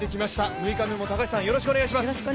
６日目もよろしくお願いします。